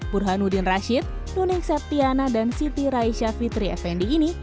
burhanudin rashid nunek sepiana dan siti raisya fitri fnd ini